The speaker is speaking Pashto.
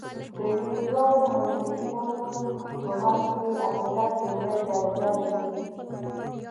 د دې دوو منطقونو په منځ کې آخرت لومړۍ درجه لري.